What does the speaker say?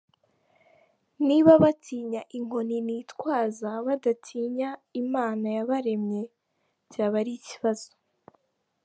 Niba batinya inkoni nitwaza, badatinya Imana yabaremye byaba ari ikibazo.